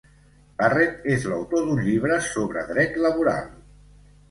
Barret és l'autor d'un llibre sobre dret laboral.